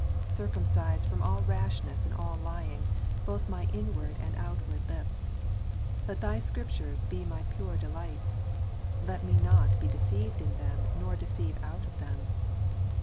lo, 12. Circumcise from all rashness and all lying both my inward Ex. 6, 12. and outward lips : let Thy Scriptures be my pure delights : let me not be deceived in them nor deceive out of them.